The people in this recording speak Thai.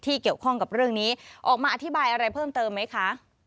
เกี่ยวข้องกับเรื่องนี้ออกมาอธิบายอะไรเพิ่มเติมไหมคะ